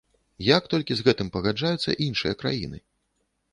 Як толькі з гэтым пагаджаюцца іншыя краіны?!